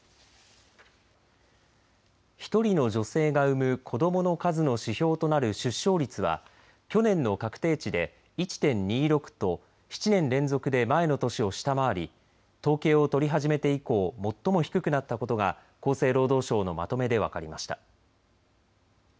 １人の女性が産む子どもの数の指標となる出生率は去年の確定値で１．２６と７年連続で前の年を下回り統計を取り始めて以降最も低くなったことが厚生労働省のまとめで分かりました。